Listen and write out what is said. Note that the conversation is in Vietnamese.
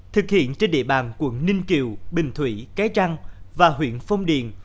thực hiện trên địa bàn quận ninh kiều bình thủy cái trăng và huyện phong điền